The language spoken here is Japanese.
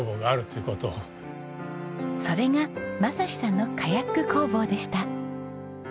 それが雅士さんのカヤック工房でした。